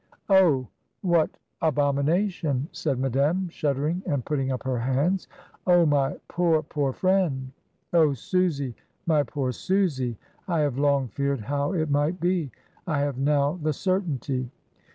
"Oh, what abomination!" said Madame, shud dering and putting up her hands. "Oh, my poor, poor fren'! Oh, Susy, my poor Susy, I have long feared how it might be; I have now the certainty."